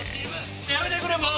やめてくれもう！